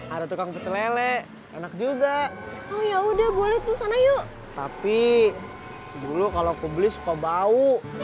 ada tukang pecelelek enak juga oh ya udah boleh tuh sana yuk tapi dulu kalau aku beli suka bau